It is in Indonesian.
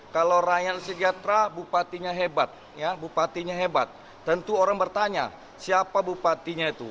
kalau rakyat sejahtera bupatinya hebat tentu orang bertanya siapa bupatinya itu